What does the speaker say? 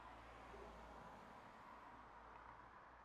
katika kutangaza matukio muhimu ya dunia na yanayotokea kanda ya